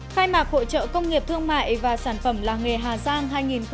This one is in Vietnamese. khai mạc hỗ trợ công nghiệp thương mại và sản phẩm làng nghề hà giang hai nghìn một mươi sáu